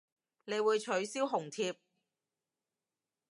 你會取消紅帖